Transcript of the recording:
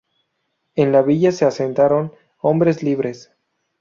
En la villa se asentaron hombres libres.